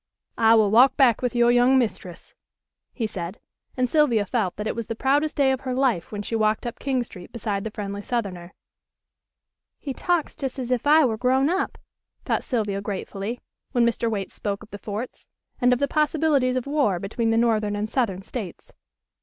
"I will walk back with your young mistress," he said, and Sylvia felt that it was the proudest day of her life when she walked up King Street beside the friendly southerner. "He talks just as if I were grown up," thought Sylvia gratefully, when Mr. Waite spoke of the forts, and of the possibilities of war between the northern and southern states.